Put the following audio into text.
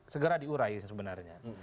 segera diurai sebenarnya